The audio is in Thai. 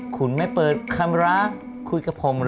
คุณไม่เปิดคำรักคุยกับผมเหรอ